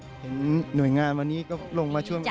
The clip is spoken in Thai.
เห็นหน่วยงานวันนี้ก็ลงมาช่วยกัน